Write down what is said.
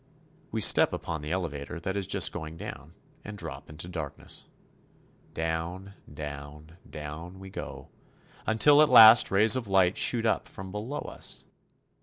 We step upon the elevator that is. just going down, and drop into darkness. Down, down, down we go, until at last rays of light shoot up from below us.